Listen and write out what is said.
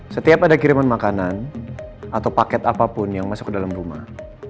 setiap ada kiriman makanan atau paket apapun yang masuk ke dalam rumah